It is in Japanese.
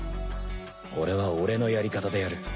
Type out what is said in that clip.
俺は俺のやり方でやる。